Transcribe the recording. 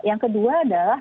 yang kedua adalah